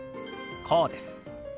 こうです。